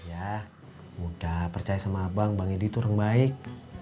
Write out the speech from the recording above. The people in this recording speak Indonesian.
iya mudah percaya sama abang bang edi tuh orang baik